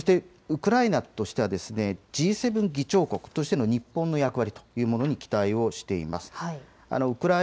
そしてウクライナとしてはＧ７議長国としての日本の役割というものに期待をしています。